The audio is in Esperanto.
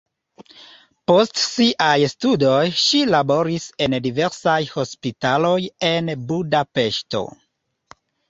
Post siaj studoj ŝi laboris en diversaj hospitaloj en Budapeŝto.